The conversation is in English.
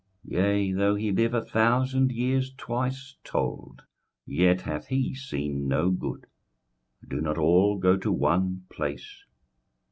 21:006:006 Yea, though he live a thousand years twice told, yet hath he seen no good: do not all go to one place?